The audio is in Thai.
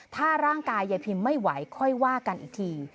ถ้าร่างกายยายพิมไม่ไหวค่อยว่ากันอีกที